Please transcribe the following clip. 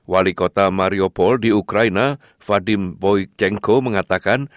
wali kota mariupol di ukraina vadim boychenko mengatakan